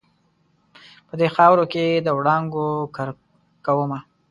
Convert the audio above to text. په دې خاورو کې د وړانګو کرکومه